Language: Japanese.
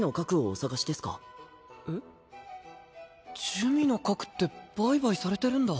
珠魅の核って売買されてるんだ。